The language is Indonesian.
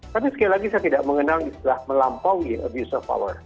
tapi sekali lagi saya tidak mengenal istilah melampaui abuse of power